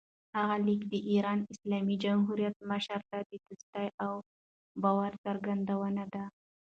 هغه لیک د ایران اسلامي جمهوریت مشر ته د دوستۍ او باور څرګندونه ده.